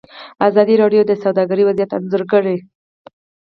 ازادي راډیو د سوداګري وضعیت انځور کړی.